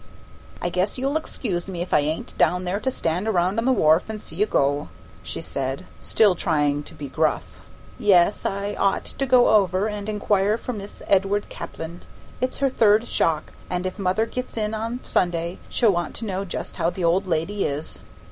"I guess you'll excuse me if I ain't down there to stand around on the w'arf and see you go," she said, still trying to be gruff. "Yes, I ought to go over and inquire for Mis' Edward Caplin; it's her third shock, and if mother gets in on Sunday she'll want to know just how the old lady is."